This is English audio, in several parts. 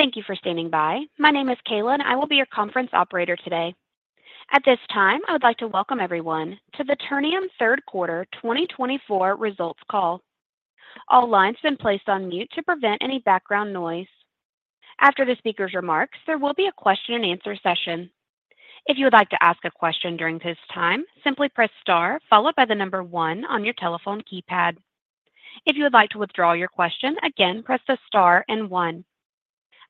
Thank you for standing by. My name is Kayla, and I will be your conference operator today. At this time, I would like to welcome everyone to the Ternium third quarter 2024 results call. All lines have been placed on mute to prevent any background noise. After the speaker's remarks, there will be a question-and-answer session. If you would like to ask a question during this time, simply press star, followed by the number one on your telephone keypad. If you would like to withdraw your question, again, press the star and one.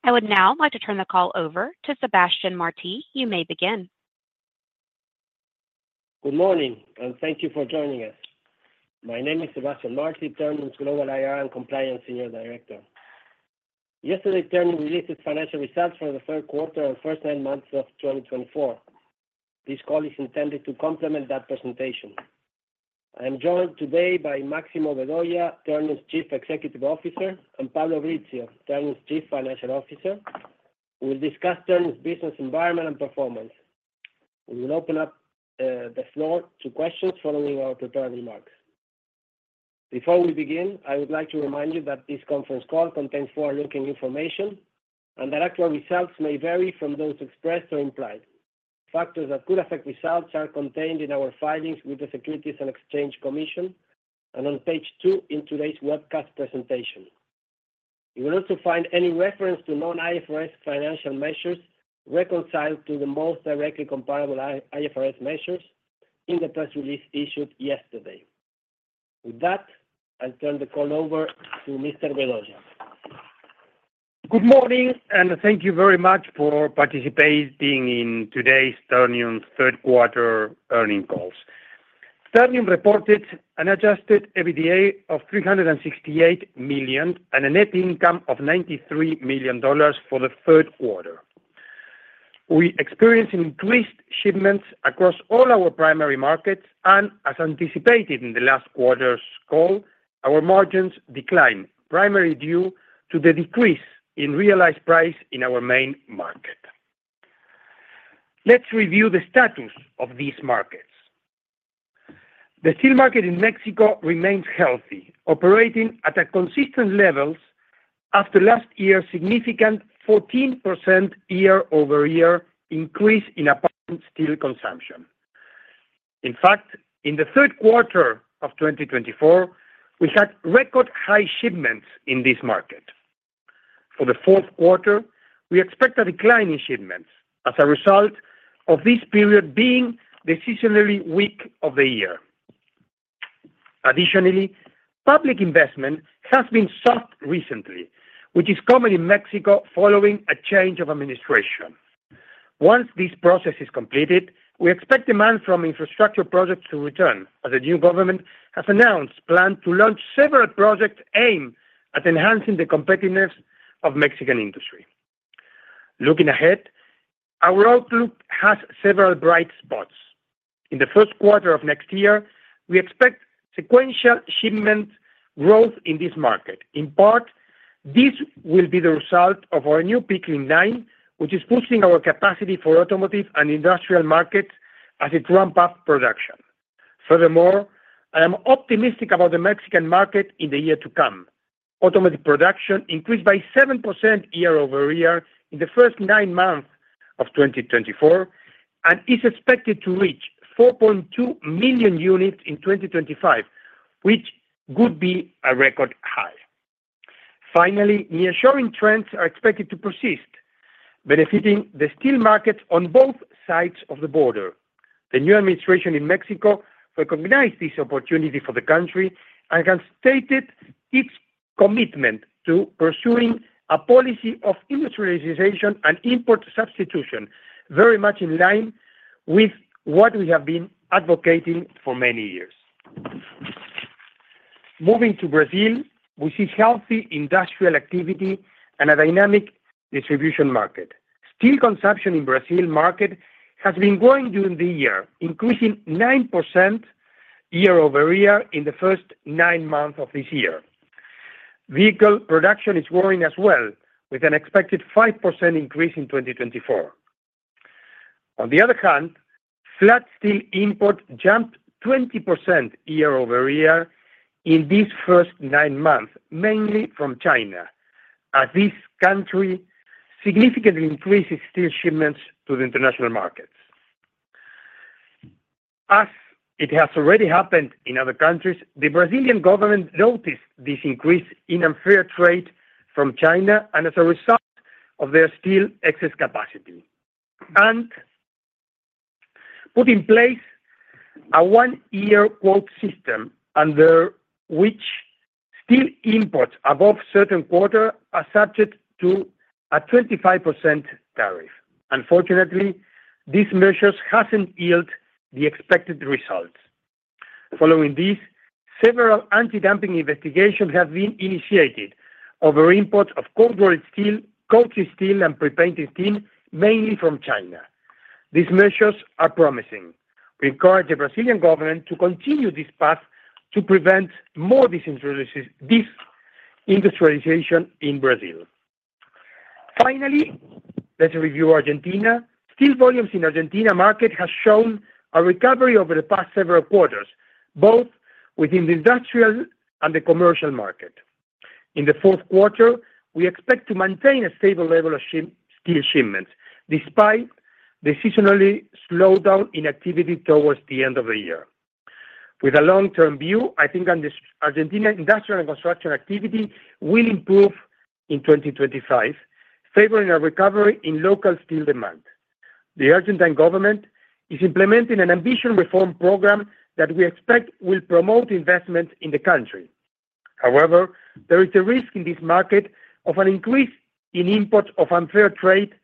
I would now like to turn the call over to Sebastián Martí. You may begin. Good morning, and thank you for joining us. My name is Sebastián Martí, Ternium's Global IR and Compliance Senior Director. Yesterday, Ternium released its financial results for the third quarter and first nine months of 2024. This call is intended to complement that presentation. I am joined today by Máximo Vedoya, Ternium's Chief Executive Officer, and Pablo Brizzio, Ternium's Chief Financial Officer, who will discuss Ternium's business environment and performance. We will open up the floor to questions following our prepared remarks. Before we begin, I would like to remind you that this conference call contains forward-looking information and that actual results may vary from those expressed or implied. Factors that could affect results are contained in our filings with the Securities and Exchange Commission and on page two in today's webcast presentation. You will also find any reference to non-IFRS financial measures reconciled to the most directly comparable IFRS measures in the press release issued yesterday. With that, I'll turn the call over to Mr. Vedoya. Good morning, and thank you very much for participating in today's Ternium's third quarter earnings call. Ternium reported an adjusted EBITDA of $368 million and a net Income of $93 million for the third quarter. We experienced increased shipments across all our primary markets, and as anticipated in the last quarter's call, our margins declined, primarily due to the decrease in realized price in our main market. Let's review the status of these markets. The steel market in Mexico remains healthy, operating at consistent levels after last year's significant 14% year-over-year increase in steel consumption. In fact, in the third quarter of 2024, we had record-high shipments in this market. For the fourth quarter, we expect a decline in shipments as a result of this period being the seasonally weak of the year. Additionally, public investment has been softened recently, which is common in Mexico following a change of administration. Once this process is completed, we expect demand from infrastructure projects to return as the new government has announced plans to launch several projects aimed at enhancing the competitiveness of Mexican industry. Looking ahead, our outlook has several bright spots. In the first quarter of next year, we expect sequential shipment growth in this market. In part, this will be the result of our new pickling line, which is boosting our capacity for automotive and industrial markets as it ramps up production. Furthermore, I am optimistic about the Mexican market in the year to come. Automotive production increased by 7% year-over-year in the first nine months of 2024 and is expected to reach 4.2 million units in 2025, which could be a record high. Finally, nearshoring trends are expected to persist, benefiting the steel markets on both sides of the border. The new administration in Mexico recognized this opportunity for the country and has stated its commitment to pursuing a policy of industrialization and import substitution, very much in line with what we have been advocating for many years. Moving to Brazil, we see healthy industrial activity and a dynamic distribution market. Steel consumption in the Brazil market has been growing during the year, increasing 9% year-over-year in the first nine months of this year. Vehicle production is growing as well, with an expected 5% increase in 2024. On the other hand, flat steel imports jumped 20% year-over-year in these first nine months, mainly from China, as this country significantly increases steel shipments to the international markets. As it has already happened in other countries, the Brazilian government noticed this increase in unfair trade from China and, as a result of their steel excess capacity, and put in place a one-year quota system under which steel imports above a certain quota are subject to a 25% tariff. Unfortunately, this measure hasn't yielded the expected results. Following this, several anti-dumping investigations have been initiated over imports of cold-rolled steel, coated steel, and pre-painted steel, mainly from China. These measures are promising. We encourage the Brazilian government to continue this path to prevent more deindustrialization in Brazil. Finally, let's review Argentina. Steel volumes in the Argentina market have shown a recovery over the past several quarters, both within the industrial and the commercial market. In the fourth quarter, we expect to maintain a stable level of steel shipments despite the seasonal slowdown in activity towards the end of the year. With a long-term view, I think Argentina's industrial and construction activity will improve in 2025, favoring a recovery in local steel demand. The Argentine government is implementing an ambitious reform program that we expect will promote investment in the country. However, there is a risk in this market of an increase in imports of unfairly traded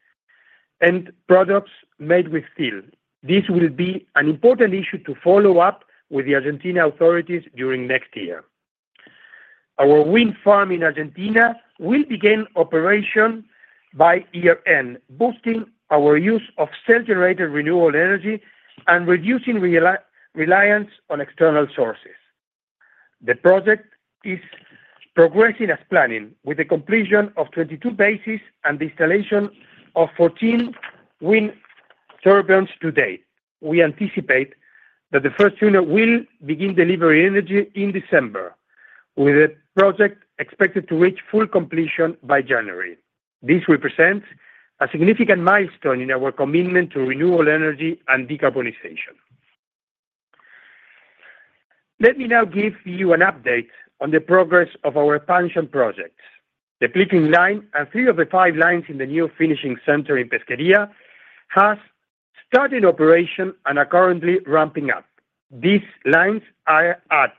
products made with steel. This will be an important issue to follow up with the Argentine authorities during next year. Our wind farm in Argentina will begin operation by year-end, boosting our use of self-generated renewable energy and reducing reliance on external sources. The project is progressing as planned, with the completion of 22 bases and the installation of 14 wind turbines to date. We anticipate that the first unit will begin delivering energy in December, with the project expected to reach full completion by January. This represents a significant milestone in our commitment to renewable energy and decarbonization. Let me now give you an update on the progress of our expansion projects. The pickling line and three of the five lines in the new finishing center in Pesquería have started operation and are currently ramping up. These lines are at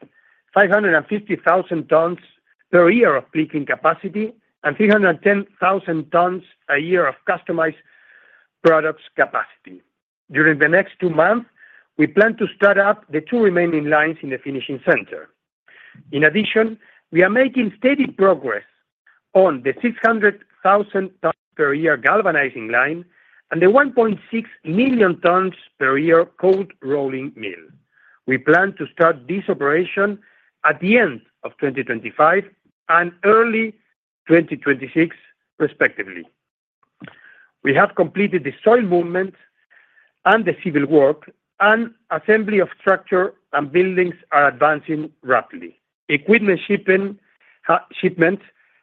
550,000 tons per year of pickling capacity and 310,000 tons a year of customized products capacity. During the next two months, we plan to start up the two remaining lines in the finishing center. In addition, we are making steady progress on the 600,000 tons per year galvanizing line and the 1.6 million tons per year cold-rolling mill. We plan to start this operation at the end of 2025 and early 2026, respectively. We have completed the soil movement and the civil work, and assembly of structure and buildings are advancing rapidly. Equipment shipments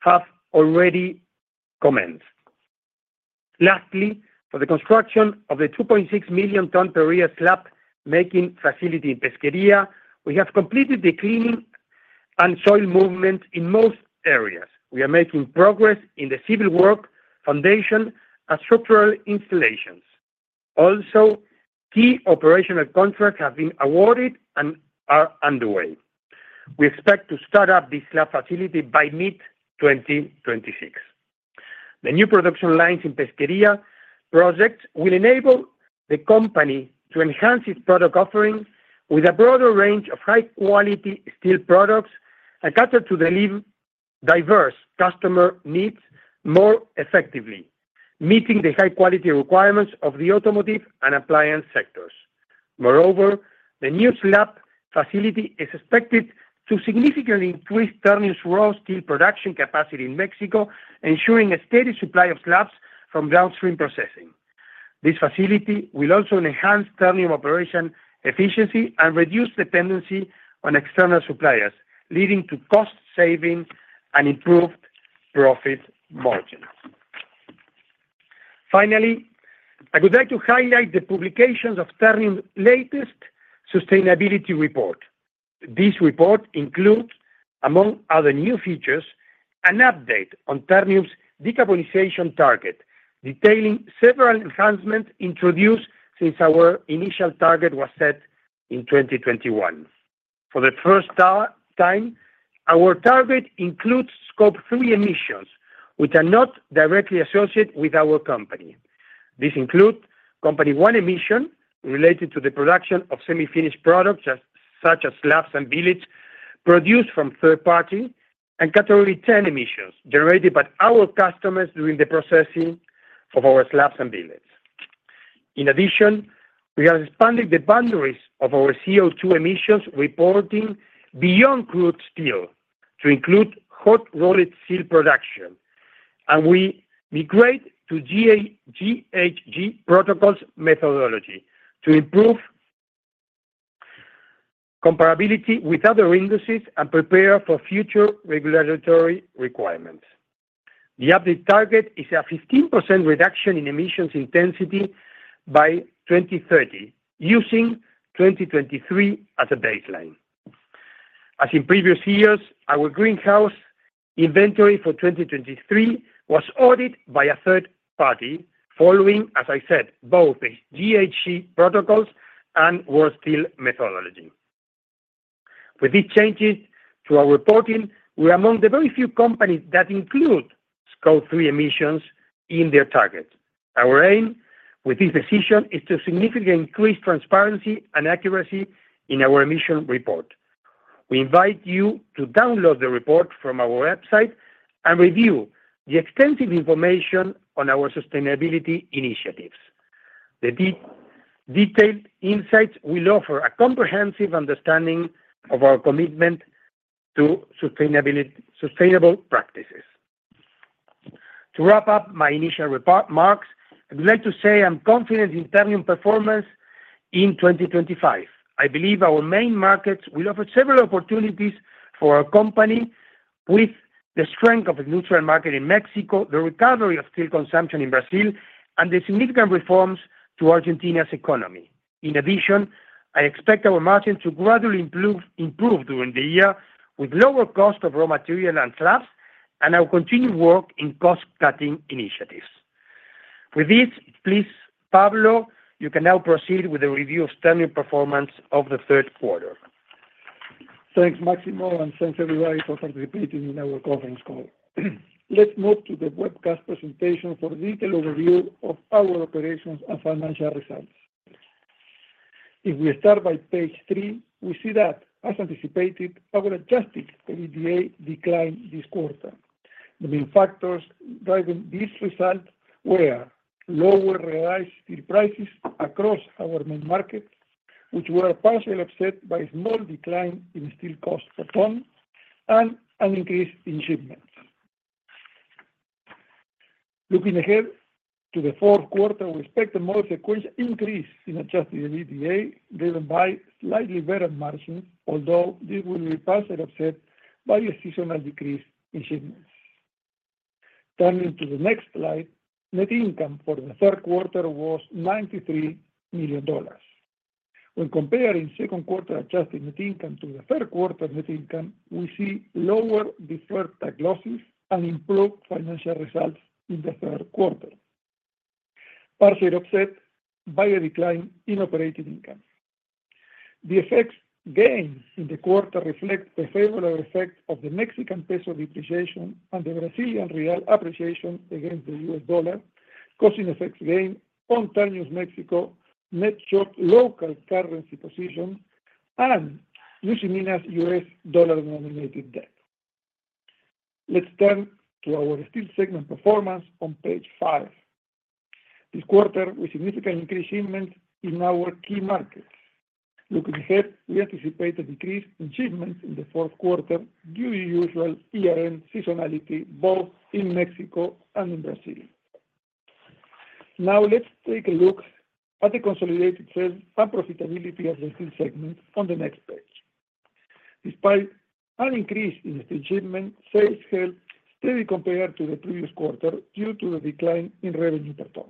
have already commenced. Lastly, for the construction of the 2.6 million tons per year slab-making facility in Pesquería, we have completed the cleaning and soil movement in most areas. We are making progress in the civil work, foundation, and structural installations. Also, key operational contracts have been awarded and are underway. We expect to start up this slab facility by mid-2026. The new production lines in Pesquería project will enable the company to enhance its product offering with a broader range of high-quality steel products and cater to the diverse customer needs more effectively, meeting the high-quality requirements of the automotive and appliance sectors. Moreover, the new slab facility is expected to significantly increase Ternium's raw steel production capacity in Mexico, ensuring a steady supply of slabs from downstream processing. This facility will also enhance Ternium operation efficiency and reduce dependency on external suppliers, leading to cost savings and improved profit margins. Finally, I would like to highlight the publications of Ternium's latest sustainability report. This report includes, among other new features, an update on Ternium's decarbonization target, detailing several enhancements introduced since our initial target was set in 2021. For the first time, our target includes Scope 3 emissions, which are not directly associated with our company. This includes Category 1 emissions related to the production of semi-finished products such as slabs and billets, produced from third parties, and Category 10 emissions generated by our customers during the processing of our slabs and billets. In addition, we have expanded the boundaries of our CO2 emissions reporting beyond crude steel to include hot-rolled steel production, and we migrate to GHG protocols methodology to improve comparability with other industries and prepare for future regulatory requirements. The updated target is a 15% reduction in emissions intensity by 2030, using 2023 as a baseline. As in previous years, our greenhouse inventory for 2023 was audited by a third party, following, as I said, both GHG protocols and raw steel methodology. With these changes to our reporting, we are among the very few companies that include Scope 3 emissions in their target. Our aim with this decision is to significantly increase transparency and accuracy in our emission report. We invite you to download the report from our website and review the extensive information on our sustainability initiatives. The detailed insights will offer a comprehensive understanding of our commitment to sustainable practices. To wrap up my initial remarks, I would like to say I'm confident in Ternium's performance in 2025. I believe our main markets will offer several opportunities for our company with the strength of the industrial market in Mexico, the recovery of steel consumption in Brazil, and the significant reforms to Argentina's economy. In addition, I expect our margins to gradually improve during the year with lower cost of raw material and slabs, and our continued work in cost-cutting initiatives. With this, please, Pablo, you can now proceed with the review of Ternium's performance of the third quarter. Thanks, Máximo, and thanks, everybody, for participating in our conference call. Let's move to the webcast presentation for a detailed overview of our operations and financial results. If we start by page three, we see that, as anticipated, our adjusted EBITDA declined this quarter. The main factors driving these results were lower realized steel prices across our main markets, which were partially offset by a small decline in steel costs per ton and an increase in shipments. Looking ahead to the fourth quarter, we expect a more sequential increase in adjusted EBITDA driven by slightly better margins, although this will be partially offset by a seasonal decrease in shipments. Turning to the next slide, net income for the third quarter was $93 million. When comparing second quarter adjusted net income to the third quarter net income, we see lower deferred tax losses and improved financial results in the third quarter, partially offset by a decline in operating income. The FX gains in the quarter reflect the favorable effect of the Mexican peso depreciation and the Brazilian real appreciation against the US dollar, causing FX gains on Ternium's Mexico net short local currency position and Usiminas US dollar denominated debt. Let's turn to our steel segment performance on page five. This quarter, we significantly increased shipments in our key markets. Looking ahead, we anticipate a decrease in shipments in the fourth quarter due to usual year-end seasonality both in Mexico and in Brazil. Now, let's take a look at the consolidated sales and profitability of the steel segment on the next page. Despite an increase in steel shipments, sales held steady compared to the previous quarter due to the decline in revenue per ton,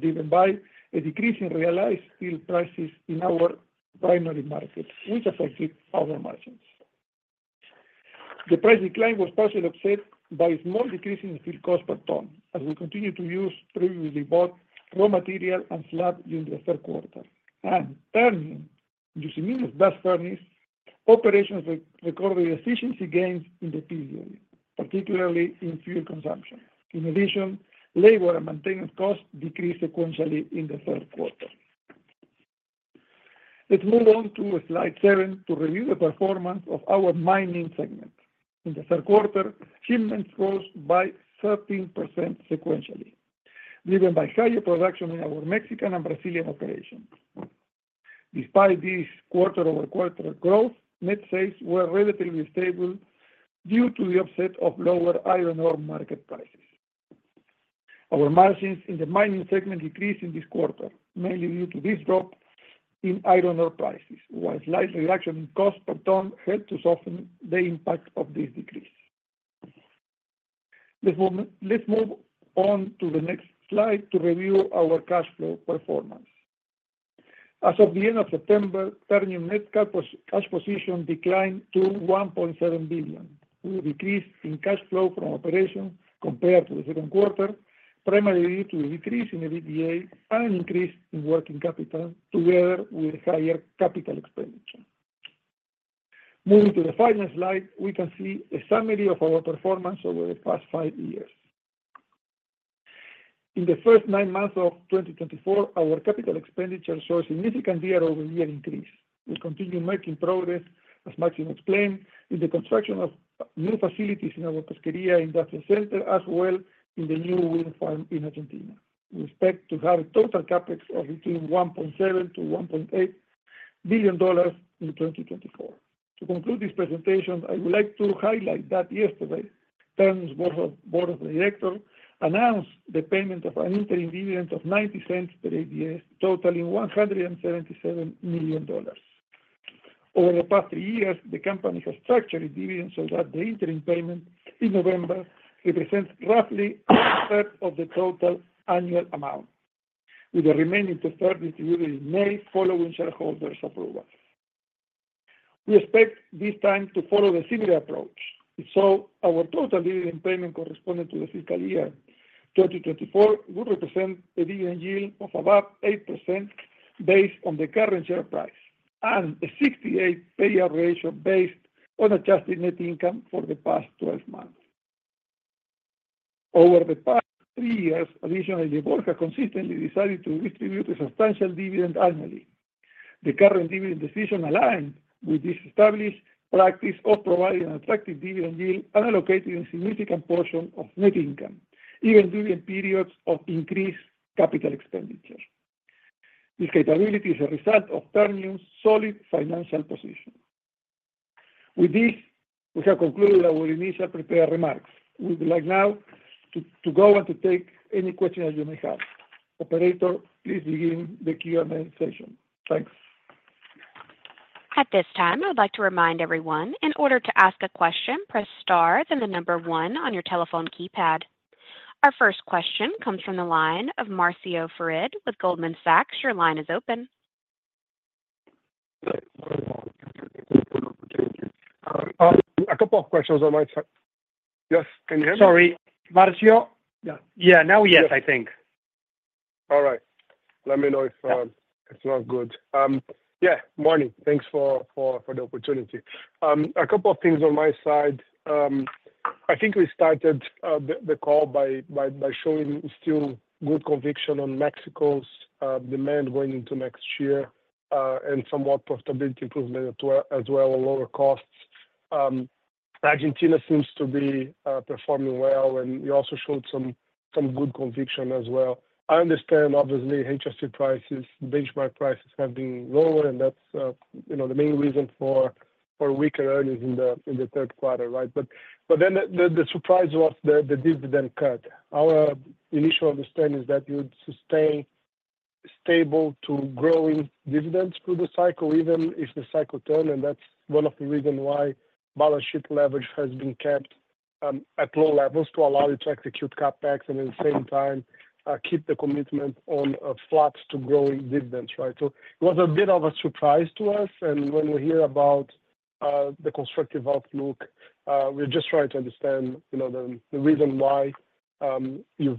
driven by a decrease in realized steel prices in our primary markets, which affected our margins. The price decline was partially offset by a small decrease in steel costs per ton, as we continue to use previously bought raw material and slabs during the third quarter, and Ternium Usiminas blast furnace operations recorded efficiency gains in the period, particularly in fuel consumption. In addition, labor and maintenance costs decreased sequentially in the third quarter. Let's move on to slide seven to review the performance of our mining segment. In the third quarter, shipments rose by 13% sequentially, driven by higher production in our Mexican and Brazilian operations. Despite this quarter-over-quarter growth, net sales were relatively stable due to the offset of lower iron ore market prices. Our margins in the mining segment decreased in this quarter, mainly due to this drop in iron ore prices, while slight reduction in costs per ton helped to soften the impact of this decrease. Let's move on to the next slide to review our cash flow performance. As of the end of September, Ternium's net cash position declined to $1.7 billion, with a decrease in cash flow from operations compared to the second quarter, primarily due to the decrease in EBITDA and an increase in working capital together with higher capital expenditure. Moving to the final slide, we can see a summary of our performance over the past five years. In the first nine months of 2024, our capital expenditure saw a significant year-over-year increase. We continue making progress, as Máximo explained, in the construction of new facilities in our Pesquería industrial center, as well as in the new wind farm in Argentina. We expect to have a total CapEx of between $1.7-$1.8 billion in 2024. To conclude this presentation, I would like to highlight that yesterday, Ternium's board of directors announced the payment of an interim dividend of $0.90 per ADS, totaling $177 million. Over the past three years, the company has structured its dividend so that the interim payment in November represents roughly one-third of the total annual amount, with the remaining two-thirds distributed in May following shareholders' approval. We expect this time to follow a similar approach. If so, our total dividend payment corresponding to the fiscal year 2024 would represent a dividend yield of about 8% based on the current share price and a 68% payout ratio based on adjusted net income for the past 12 months. Over the past three years, additionally, the board has consistently decided to distribute a substantial dividend annually. The current dividend decision aligns with this established practice of providing an attractive dividend yield and allocating a significant portion of net income, even during periods of increased capital expenditure. This capability is a result of Ternium's solid financial position. With this, we have concluded our initial prepared remarks. We would like now to go and to take any questions that you may have. Operator, please begin the Q&A session. Thanks. At this time, I'd like to remind everyone, in order to ask a question, press star then the number one on your telephone keypad. Our first question comes from the line of Marcio Farid with Goldman Sachs. Your line is open. A couple of questions on my side. Yes, can you hear me? Sorry, Marcio. Yeah, now yes, I think. All right. Let me know if it's not good. Yeah, morning. Thanks for the opportunity. A couple of things on my side. I think we started the call by showing still good conviction on Mexico's demand going into next year and somewhat profitability improvement as well, lower costs. Argentina seems to be performing well, and you also showed some good conviction as well. I understand, obviously, HRC prices, benchmark prices have been lower, and that's the main reason for weaker earnings in the third quarter, right? But then the surprise was the dividend cut. Our initial understanding is that you would sustain stable to growing dividends through the cycle, even if the cycle turned, and that's one of the reasons why balance sheet leverage has been kept at low levels to allow you to execute CapEx and at the same time keep the commitment on a flat to growing dividends, right? So it was a bit of a surprise to us, and when we hear about the constructive outlook, we're just trying to understand the reason why the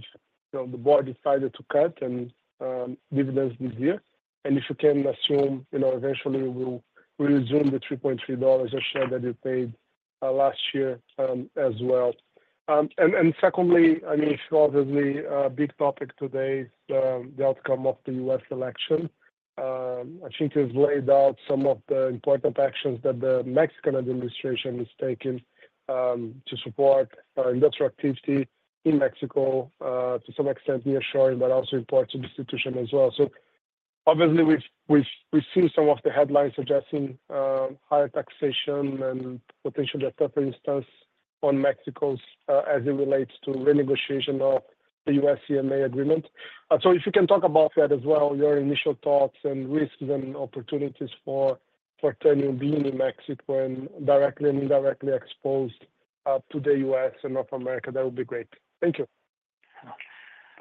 board decided to cut the dividends this year. And if we can assume, eventually, we will resume the $3.3 a share that you paid last year as well. And secondly, I mean, obviously, a big topic today is the outcome of the U.S. election. I think it's laid out some of the important actions that the Mexican administration is taking to support industrial activity in Mexico, to some extent reassuring, but also important institutionally as well. So obviously, we've seen some of the headlines suggesting higher taxation and potential tariffs on Mexico as it relates to renegotiation of the USMCA agreement. So if you can talk about that as well, your initial thoughts and risks and opportunities for Ternium being in Mexico and directly and indirectly exposed to the U.S. and North America, that would be great. Thank you.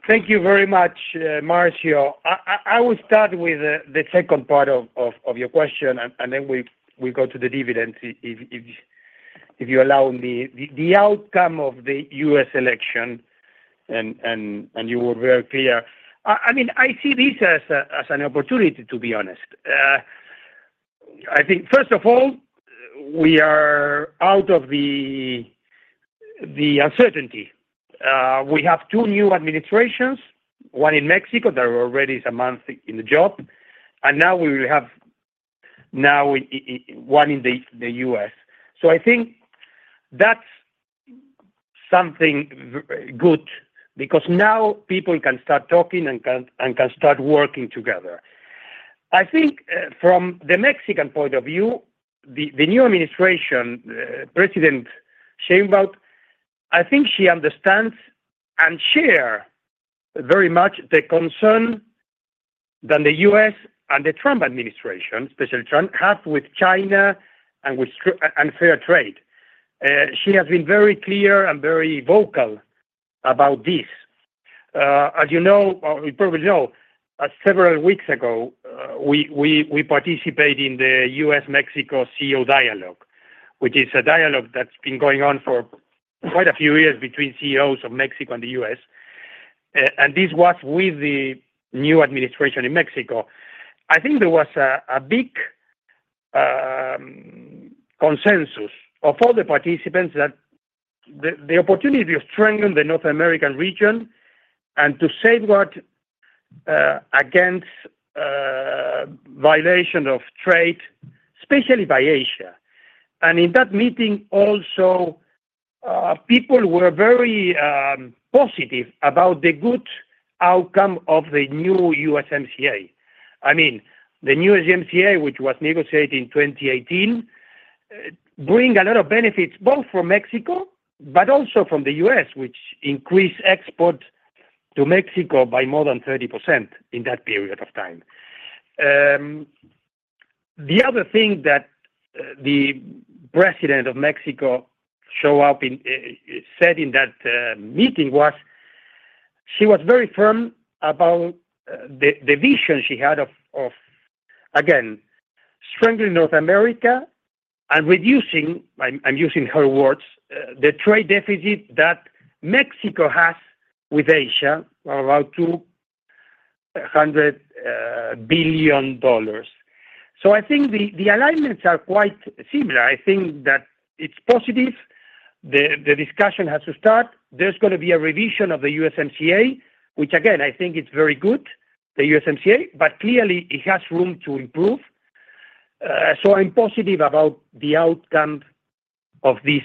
Thank you very much, Marcio. I will start with the second part of your question, and then we go to the dividends, if you allow me. The outcome of the U.S. election, and you were very clear. I mean, I see this as an opportunity, to be honest. I think, first of all, we are out of the uncertainty. We have two new administrations, one in Mexico that already is a month in the job, and now we have one in the U.S. So I think that's something good because now people can start talking and can start working together. I think from the Mexican point of view, the new administration, President Sheinbaum, I think she understands and shares very much the concern that the U.S. and the Trump administration, especially Trump, have with China and fair trade. She has been very clear and very vocal about this. As you know, or you probably know, several weeks ago, we participated in the U.S.-Mexico CEO Dialogue, which is a dialogue that's been going on for quite a few years between CEOs of Mexico and the U.S. And this was with the new administration in Mexico. I think there was a big consensus of all the participants that the opportunity of strengthening the North American region and to safeguard against violation of trade, especially by Asia. And in that meeting, also, people were very positive about the good outcome of the new USMCA. I mean, the new USMCA, which was negotiated in 2018, brought a lot of benefits both from Mexico but also from the U.S., which increased exports to Mexico by more than 30% in that period of time. The other thing that the president of Mexico said in that meeting was she was very firm about the vision she had of, again, strengthening North America and reducing, I'm using her words, the trade deficit that Mexico has with Asia, about $200 billion. So I think the alignments are quite similar. I think that it's positive. The discussion has to start. There's going to be a revision of the USMCA, which, again, I think it's very good, the USMCA, but clearly, it has room to improve. So I'm positive about the outcome of these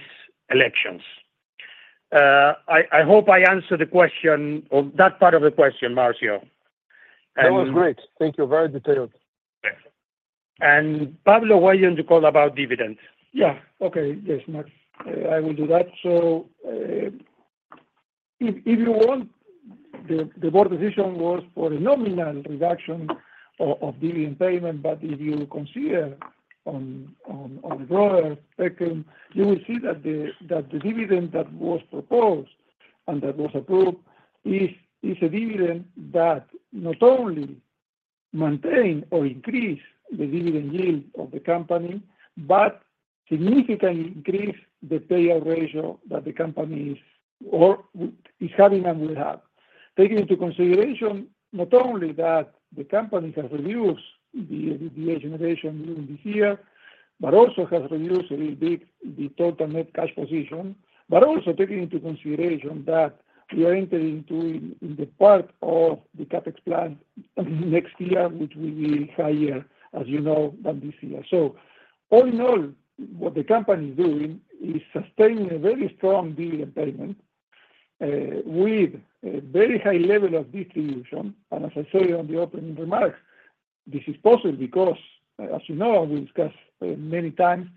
elections. I hope I answered the question or that part of the question, Marcio. That was great. Thank you. Very detailed. Pablo, why don't you call about dividends? Yeah. Okay. Yes, Marcio. I will do that. So if you want, the board decision was for a nominal reduction of dividend payment, but if you consider on a broader spectrum, you will see that the dividend that was proposed and that was approved is a dividend that not only maintains or increases the dividend yield of the company, but significantly increases the payout ratio that the company is having and will have. Taking into consideration not only that the company has reduced the agglomeration this year, but also has reduced a little bit the total net cash position, but also taking into consideration that we are entering into the part of the CapEx plan next year, which will be higher, as you know, than this year. So all in all, what the company is doing is sustaining a very strong dividend payment with a very high level of distribution. As I said in the opening remarks, this is possible because, as you know, we discussed many times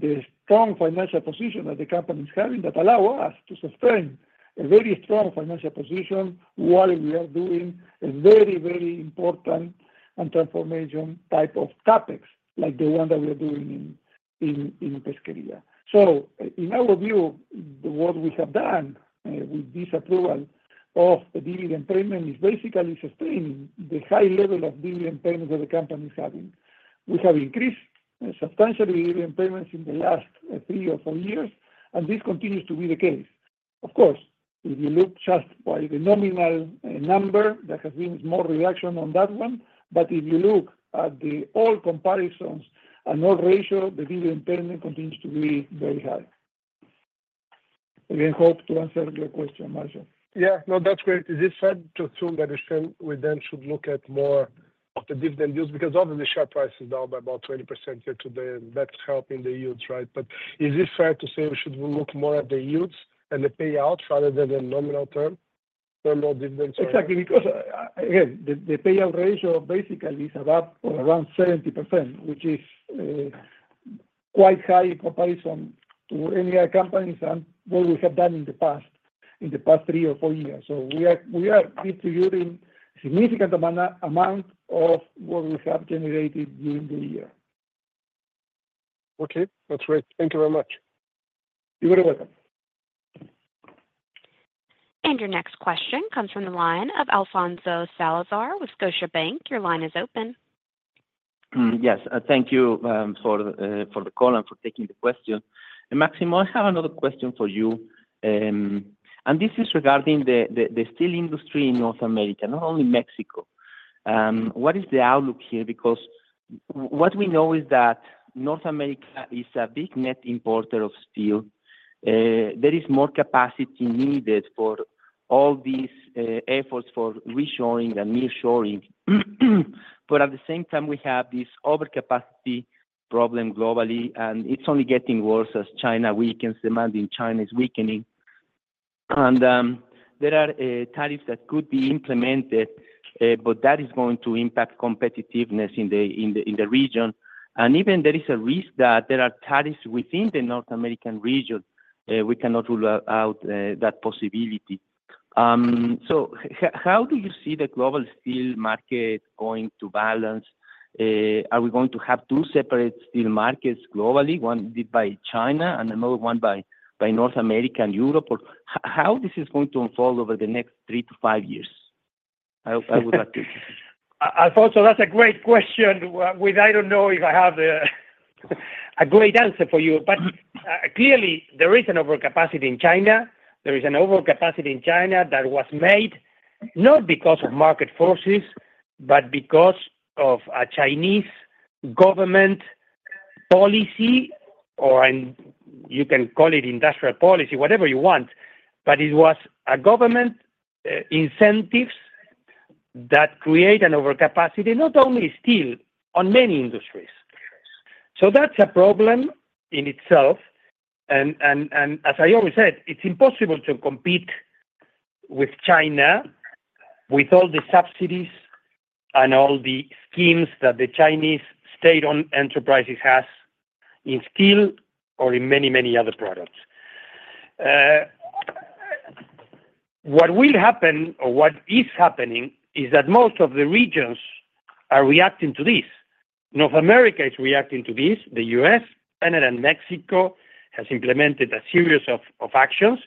the strong financial position that the company is having that allows us to sustain a very strong financial position while we are doing a very, very important and transformation type of CapEx, like the one that we are doing in Pesquería. In our view, what we have done with this approval of the dividend payment is basically sustaining the high level of dividend payment that the company is having. We have increased substantially the dividend payments in the last three or four years, and this continues to be the case. Of course, if you look just by the nominal number, there has been a small reduction on that one, but if you look at the all comparisons and all ratios, the dividend payment continues to be very high. I hope to answer your question, Marcio. Yeah. No, that's great. Is it fair to assume that then we should look at more of the dividend yields? Because obviously, share price is down by about 20% year to date, and that's helping the yields, right? But is it fair to say we should look more at the yields and the payout rather than the nominal term or dividends? Exactly. Because, again, the payout ratio basically is about around 70%, which is quite high in comparison to any other companies and what we have done in the past three or four years. So we are distributing a significant amount of what we have generated during the year. Okay. That's great. Thank you very much. You're very welcome. Your next question comes from the line of Alfonso Salazar with Scotiabank. Your line is open. Yes. Thank you for the call and for taking the question. And Máximo, I have another question for you. And this is regarding the steel industry in North America, not only Mexico. What is the outlook here? Because what we know is that North America is a big net importer of steel. There is more capacity needed for all these efforts for reshoring and nearshoring. But at the same time, we have this overcapacity problem globally, and it's only getting worse as China weakens, demand in China is weakening. And there are tariffs that could be implemented, but that is going to impact competitiveness in the region. And even there is a risk that there are tariffs within the North American region. We cannot rule out that possibility. So how do you see the global steel market going to balance? Are we going to have two separate steel markets globally, one led by China and another one by North America and Europe? How is this going to unfold over the next three to five years? I would like to. Alfonso, that's a great question, which I don't know if I have a great answer for you. Clearly, there is an overcapacity in China. There is an overcapacity in China that was made not because of market forces, but because of a Chinese government policy, or you can call it industrial policy, whatever you want. It was government incentives that create an overcapacity, not only steel, on many industries. That's a problem in itself. As I always said, it's impossible to compete with China with all the subsidies and all the schemes that the Chinese state-owned enterprises have in steel or in many, many other products. What will happen or what is happening is that most of the regions are reacting to this. North America is reacting to this. The U.S., Canada, and Mexico have implemented a series of actions.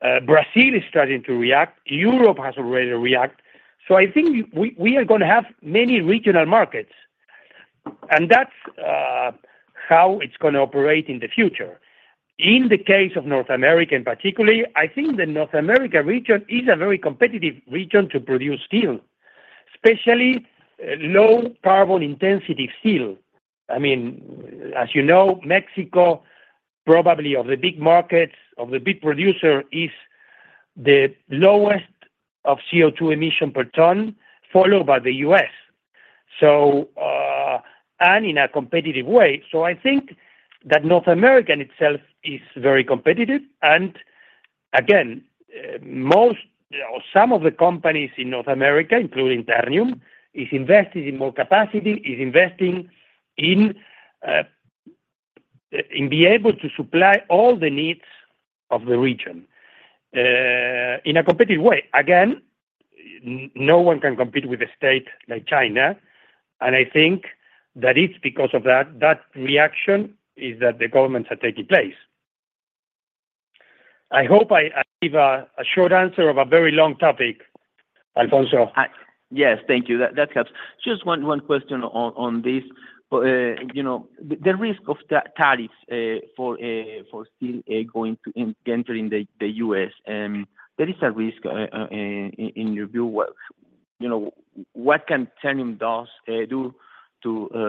Brazil is starting to react. Europe has already reacted. So I think we are going to have many regional markets, and that's how it's going to operate in the future. In the case of North America in particular, I think the North America region is a very competitive region to produce steel, especially low-carbon intensity steel. I mean, as you know, Mexico, probably of the big markets, of the big producers, is the lowest of CO2 emission per ton, followed by the U.S., and in a competitive way. So I think that North America itself is very competitive. And again, some of the companies in North America, including Ternium, are investing in more capacity, are investing in being able to supply all the needs of the region in a competitive way. Again, no one can compete with a state like China. I think that it's because of that reaction that the governments are taking place. I hope I gave a short answer of a very long topic, Alfonso. Yes. Thank you. That helps. Just one question on this. The risk of tariffs for steel going to enter the U.S., there is a risk in your view. What can Ternium do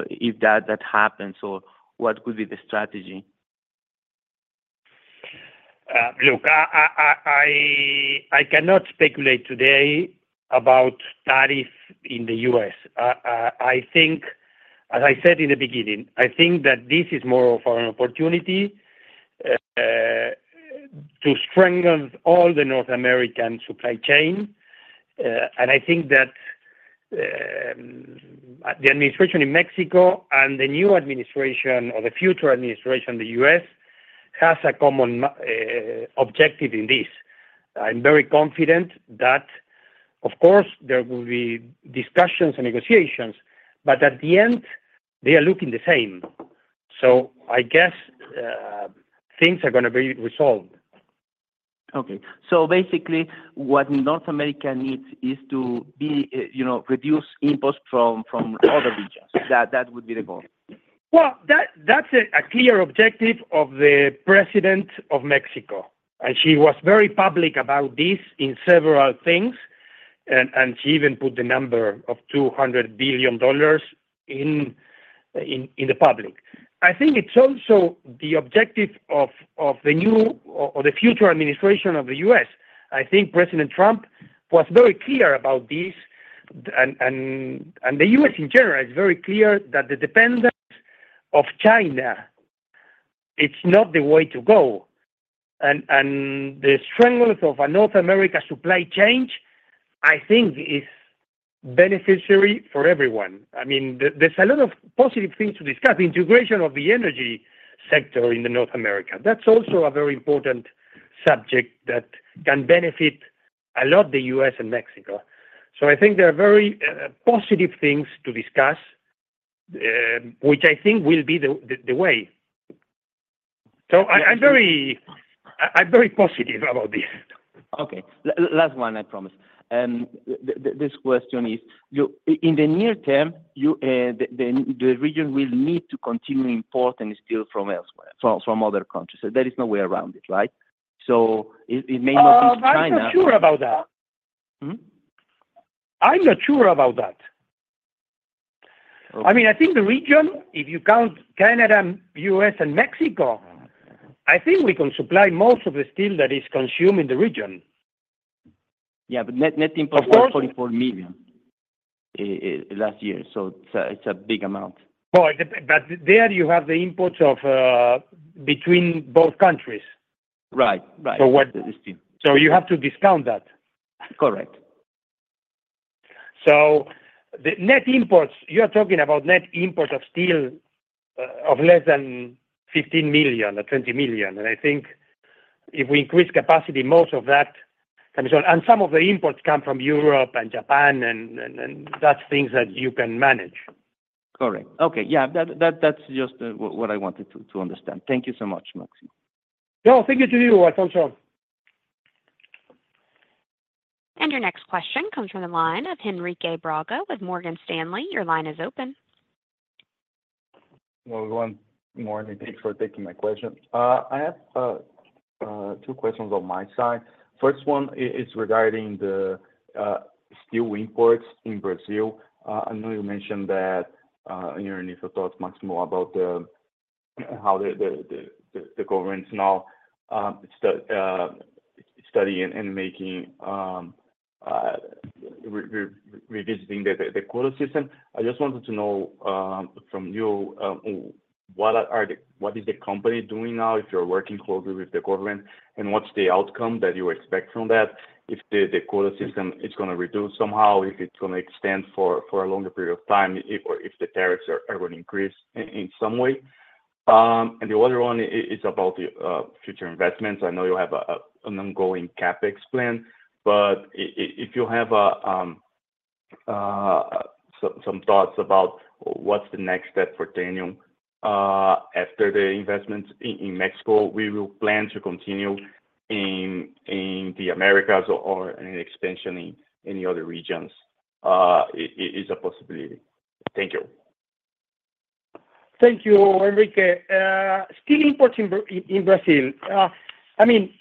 if that happens? Or what could be the strategy? Look, I cannot speculate today about tariffs in the U.S. As I said in the beginning, I think that this is more of an opportunity to strengthen all the North American supply chain, and I think that the administration in Mexico and the new administration or the future administration in the U.S. has a common objective in this. I'm very confident that, of course, there will be discussions and negotiations, but at the end, they are looking the same, so I guess things are going to be resolved. Okay. So basically, what North America needs is to reduce imports from other regions. That would be the goal? That's a clear objective of the President of Mexico. And she was very public about this in several things, and she even put the number of $200 billion in public. I think it's also the objective of the new or the future administration of the U.S. I think President Trump was very clear about this. And the U.S., in general, is very clear that the dependence on China is not the way to go. And the strength of a North American supply chain, I think, is beneficial for everyone. I mean, there's a lot of positive things to discuss. The integration of the energy sector in North America, that's also a very important subject that can benefit a lot the U.S. and Mexico. So I think there are very positive things to discuss, which I think will be the way. So I'm very positive about this. Okay. Last one, I promise. This question is, in the near term, the region will need to continue importing steel from other countries. There is no way around it, right? So it may not be China. I'm not sure about that. I mean, I think the region, if you count Canada, U.S., and Mexico, I think we can supply most of the steel that is consumed in the region. Yeah, but net imports were 44 million last year, so it's a big amount. But there you have the imports between both countries. Right. Right. So you have to discount that. Correct. So the net imports, you are talking about net imports of steel of less than 15 million or 20 million. And I think if we increase capacity, most of that comes on. And some of the imports come from Europe and Japan, and that's things that you can manage. Correct. Okay. Yeah. That's just what I wanted to understand. Thank you so much, Máximo. No, thank you to you, Alfonso. Your next question comes from the line of Henrique Braga with Morgan Stanley. Your line is open. Hello everyone. Good morning. Thanks for taking my question. I have two questions on my side. First one is regarding the steel imports in Brazil. I know you mentioned that you're in it, Máximo, about how the government is now studying and revisiting the quota system. I just wanted to know from you, what is the company doing now if you're working closely with the government, and what's the outcome that you expect from that, if the quota system is going to reduce somehow, if it's going to extend for a longer period of time, or if the tariffs are going to increase in some way, and the other one is about future investments. I know you have an ongoing CapEx plan, but if you have some thoughts about what's the next step for Ternium after the investments in Mexico, we will plan to continue in the Americas or an expansion in any other regions. Is it a possibility? Thank you. Thank you, Henrique. Steel imports in Brazil. I mean,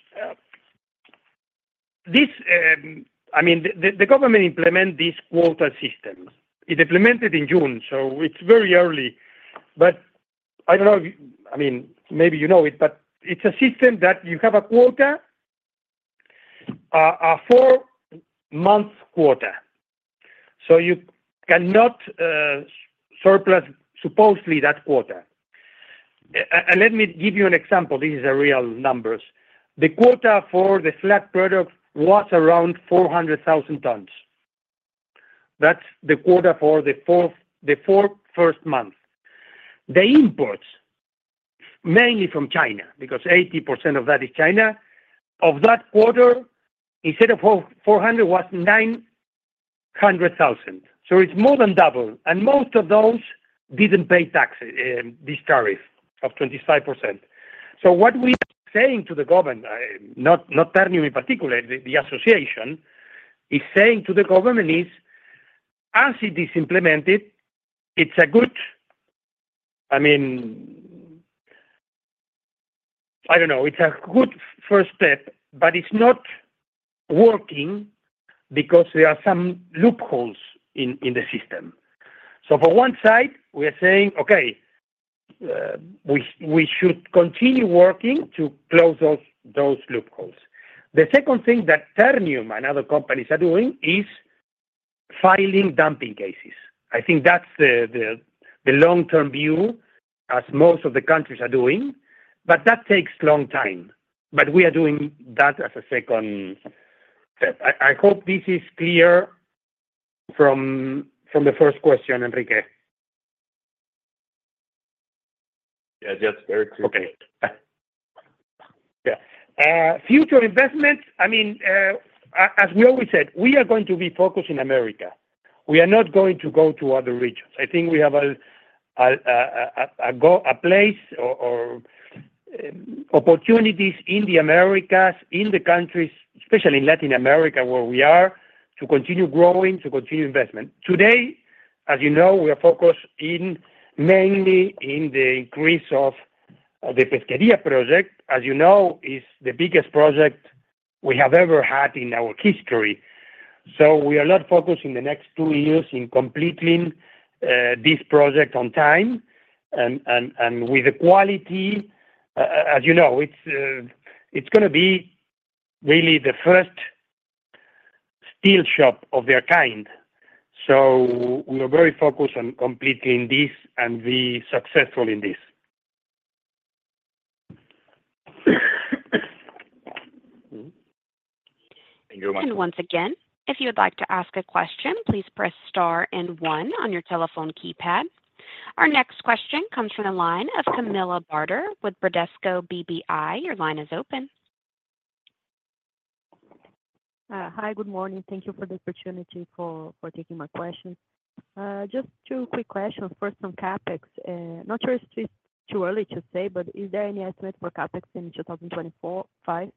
the government implemented this quota system. It implemented in June, so it's very early. But I don't know if, I mean, maybe you know it, but it's a system that you have a quota, a four-month quota. So you cannot exceed supposedly that quota. Let me give you an example. This is a real number. The quota for the flat product was around 400,000 tons. That's the quota for the first four months. The imports, mainly from China, because 80% of that is China, of that quarter, instead of 400,000, was 900,000. So it's more than double, and most of those didn't pay this tariff of 25%. What we are saying to the government, not Ternium in particular, the association is saying to the government is, as it is implemented, I mean, I don't know, it's a good first step, but it's not working because there are some loopholes in the system. So for one side, we are saying, okay, we should continue working to close those loopholes. The second thing that Ternium and other companies are doing is filing dumping cases. I think that's the long-term view, as most of the countries are doing, but that takes a long time. But we are doing that as a second step. I hope this is clear from the first question, Henrique. Yes. That's very clear. Okay. Yeah. Future investments, I mean, as we always said, we are going to be focused in America. We are not going to go to other regions. I think we have a place or opportunities in the Americas, in the countries, especially in Latin America, where we are, to continue growing, to continue investment. Today, as you know, we are focused mainly in the increase of the Pesquería project. As you know, it's the biggest project we have ever had in our history. So we are not focused in the next two years in completing this project on time and with the quality. As you know, it's going to be really the first steel shop of their kind. So we are very focused on completing this and being successful in this. Thank you, Máximo. Once again, if you would like to ask a question, please press star and one on your telephone keypad. Our next question comes from the line of Camilla Barder with Bradesco BBI. Your line is open. Hi. Good morning. Thank you for the opportunity for taking my question. Just two quick questions. First, on CapEx, not sure if it's too early to say, but is there any estimate for CapEx in 2025?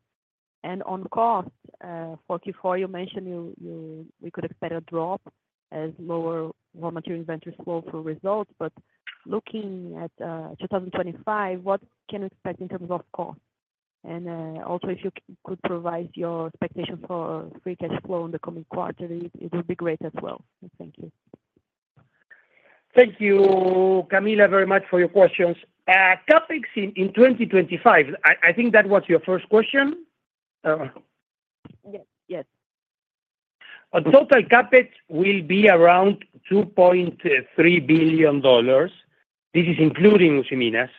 And on cost, Q4, you mentioned we could expect a drop as lower raw material inventories flow through results. But looking at 2025, what can we expect in terms of cost? And also, if you could provide your expectations for free cash flow in the coming quarter, it would be great as well. Thank you. Thank you, Camilla, very much for your questions. CapEx in 2025, I think that was your first question. Yes. Yes. A total CapEx will be around $2.3 billion. This is including Usiminas.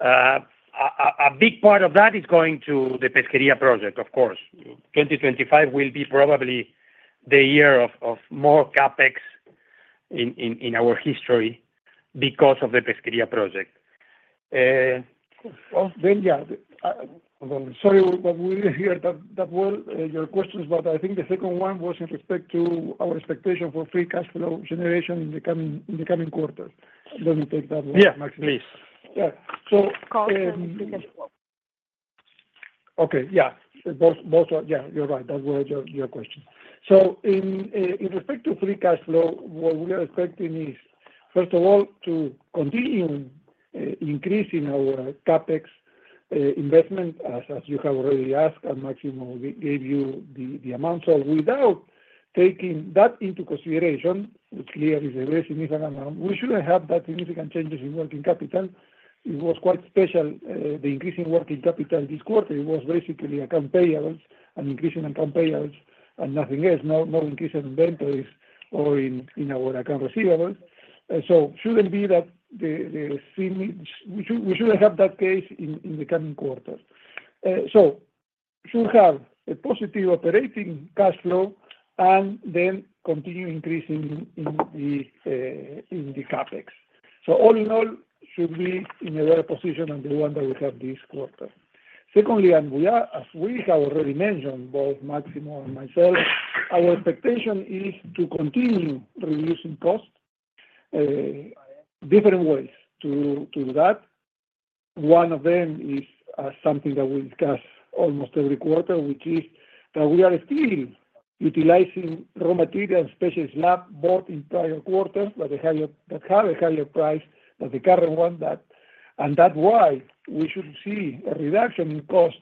A big part of that is going to the Pesquería project, of course. 2025 will be probably the year of more CapEx in our history because of the Pesquería project. Yeah. Sorry, but we didn't hear that well, your questions, but I think the second one was in respect to our expectation for free cash flow generation in the coming quarter. Let me take that one, Máximo. Yes. Please. Yeah. So cost and free cash flow. Okay. Yeah. Yeah. You're right. That was your question. So in respect to free cash flow, what we are expecting is, first of all, to continue increasing our CapEx investment, as you have already asked, and Máximo gave you the amount. So without taking that into consideration, which clearly is a very significant amount, we shouldn't have that significant changes in working capital. It was quite special, the increase in working capital this quarter. It was basically accounts payable and increasing accounts payable and nothing else, no increase in inventories or in our accounts receivable. So shouldn't be that the we shouldn't have that case in the coming quarter. So should have a positive operating cash flow and then continue increasing in the CapEx. So all in all, should be in a better position than the one that we have this quarter. Secondly, as we have already mentioned, both Máximo and myself, our expectation is to continue reducing costs in different ways to do that. One of them is something that we discuss almost every quarter, which is that we are still utilizing raw material and specialty slab bought in prior quarters that have a higher price than the current one. And that's why we should see a reduction in cost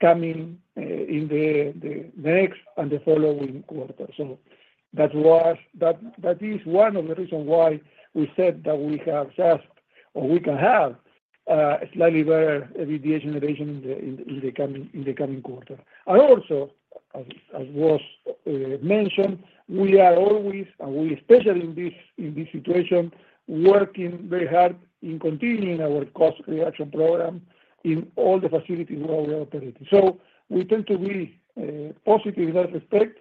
coming in the next and the following quarter. So that is one of the reasons why we said that we have just or we can have slightly better EBITDA generation in the coming quarter. And also, as was mentioned, we are always, and we especially in this situation, working very hard in continuing our cost reduction program in all the facilities where we are operating. So we tend to be positive in that respect.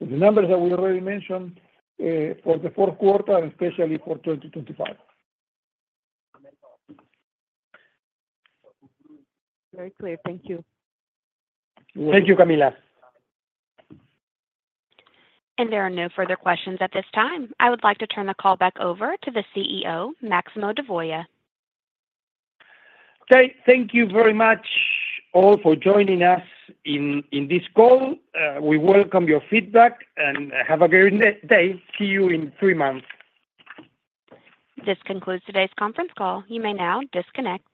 The numbers that we already mentioned for the fourth quarter and especially for 2025. Very clear. Thank you. Thank you, Camilla. And there are no further questions at this time. I would like to turn the call back over to the CEO, Máximo Vedoya. Okay. Thank you very much all for joining us in this call. We welcome your feedback, and have a very good day. See you in three months. This concludes today's conference call. You may now disconnect.